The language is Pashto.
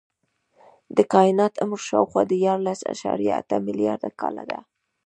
د کائنات عمر شاوخوا دیارلس اعشاریه اته ملیارده کاله دی.